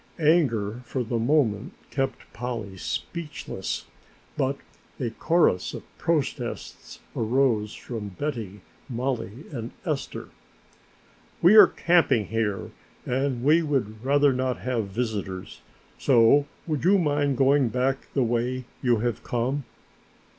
Anger for the moment kept Polly speechless, but a chorus of protests arose from Betty, Mollie and Esther. "We are camping here and we would rather not have visitors, so would you mind going back the way you have come?"